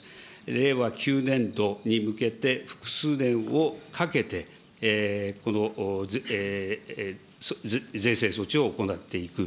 令和９年度に向けて、複数年をかけてこの税制措置を行っていく。